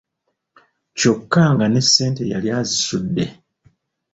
Kyokka nga ne ssente yali azisudde.